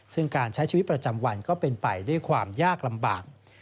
ซึ่งการใช้ชีวิตประจำวันก็เป็นไปด้วยความยากลำบาก